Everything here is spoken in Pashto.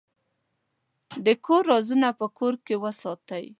د کور رازونه په کور کې وساتئ.